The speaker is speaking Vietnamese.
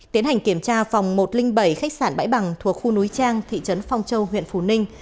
tiến hành kiểm tra phòng một trăm linh bảy khách sạn bãi bằng thuộc khu núi trang thị trấn phong châu huyện phù ninh